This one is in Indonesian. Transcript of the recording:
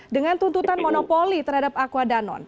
dengan tuntutan monopoli terhadap aqua danone